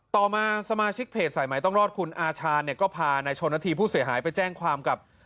ต่อมาสมาชิกเพจสายใหม่ต้องรอดคุณอาชาเนี่ยก็พานายชนนาธีผู้เสียหายไปแจ้งความกับ